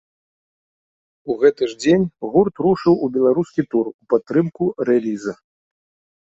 У гэты ж дзень гурт рушыў у беларускі тур у падтрымку рэліза.